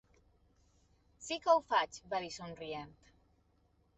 "Sí que ho faig", va dir somrient.